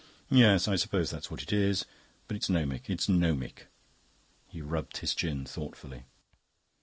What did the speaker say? Yes, I suppose that's what it is. But it's gnomic, it's gnomic." He rubbed his chin thoughtfully.